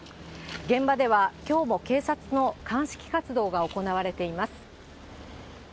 現場ではきょうも警察の鑑識活動が行われています。